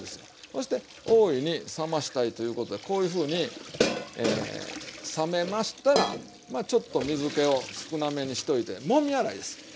そして大いに冷ましたいということでこういうふうに冷めましたらまあちょっと水けを少なめにしといてもみ洗いする。